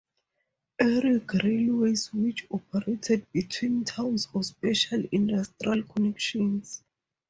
Electric railways which operated between towns or special industrial connections.